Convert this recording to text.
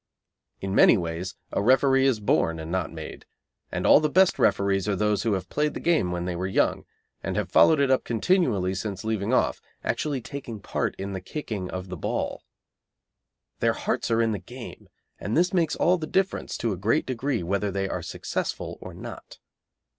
In many ways a referee is born and not made, and all the best referees are those who have played the game when they were young, and have followed it up continually since leaving off, actually taking part in the kicking of the ball. Their hearts are in the game, and this makes all the difference, to a great degree, whether they are successful or not.